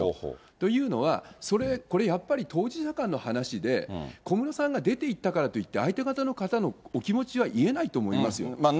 というのは、これやっぱり、当事者間の話で、小室さんが出ていったからといって、相手方の方のお気持ちは癒えないと思いますよ。